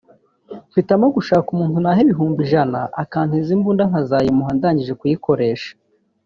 mpitamo gushaka umuntu naha ibihumbi ijana akantiza imbunda nkazayimuha ndangije kuyikoresha”